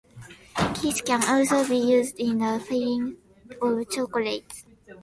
Kirsch can also be used in the filling of chocolates.